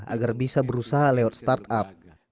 agar bisa berusaha lewat start up